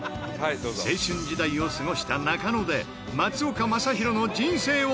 青春時代を過ごした中野で松岡昌宏の人生をたどる旅へ。